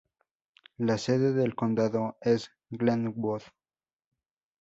La sede del condado es Glenwood.